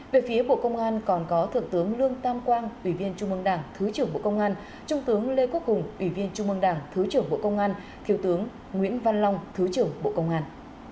về phía bộ công an còn có thượng tướng lương tam quang ủy viên trung mương đảng thứ trưởng bộ công an trung tướng lê quốc hùng ủy viên trung mương đảng thứ trưởng bộ công an thiếu tướng nguyễn văn long thứ trưởng bộ công an